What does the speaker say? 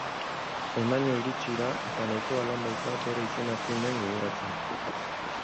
Honaino iritsi da eta nahikoa lan dauka bere izena zein den gogoratzen.